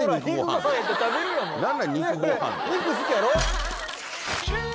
肉好きやろ？